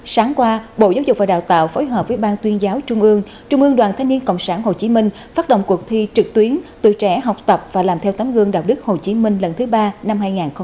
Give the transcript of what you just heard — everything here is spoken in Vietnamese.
sáng qua bộ giáo dục và đào tạo phối hợp với ban tuyên giáo trung ương trung ương đoàn thanh niên cộng sản hồ chí minh phát động cuộc thi trực tuyến tuổi trẻ học tập và làm theo tấm gương đạo đức hồ chí minh lần thứ ba năm hai nghìn hai mươi